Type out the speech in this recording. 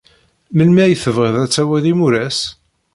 Melmi ay tebɣid ad tawid imuras?